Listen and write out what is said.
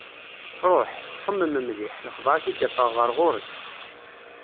Ruḥ! Xemmem mliḥ, lexbar ad t-id-afeɣ ɣer ɣur-k.